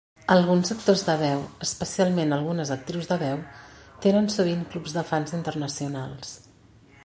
Alguns actors de veu -especialment algunes actrius de veu- tenen sovint clubs de fans internacionals.